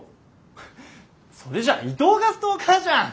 それじゃあ伊藤がストーカーじゃん。